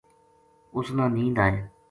اس نا نیند آئے‘‘